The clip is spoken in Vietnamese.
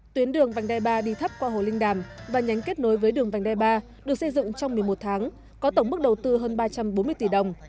tuyến đường vành đai ba đi thấp qua hồ linh đàm và nhánh kết nối với đường vành đai ba được xây dựng trong một mươi một tháng có tổng mức đầu tư hơn ba trăm bốn mươi tỷ đồng